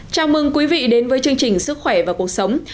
chào mừng quý vị đến với chương trình sức khỏe và cuộc sống